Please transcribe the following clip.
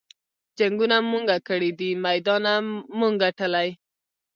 جنګــــونه مونږه کـــــــــړي دي مېدان مونږه ګټلے